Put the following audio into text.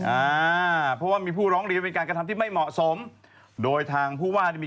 อ่าเพราะว่ามีผู้ร้องเรียนเป็นการกระทำที่ไม่เหมาะสมโดยทางผู้ว่านี่มี